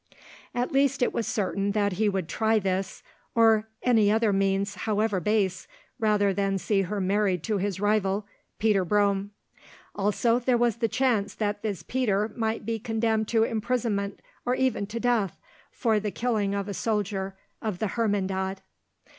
At least it was certain that he would try this, or any other means, however base, rather than see her married to his rival, Peter Brome. Also there was the chance that this Peter might be condemned to imprisonment, or even to death, for the killing of a soldier of the Hermandad.